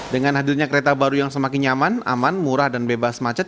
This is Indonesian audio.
dengan hadirnya kereta baru yang semakin nyaman aman murah dan bebas macet